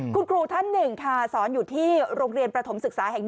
คุณครูท่านหนึ่งค่ะสอนอยู่ที่โรงเรียนประถมศึกษาแห่ง๑